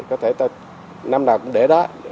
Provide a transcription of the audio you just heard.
có thể năm nào cũng để đó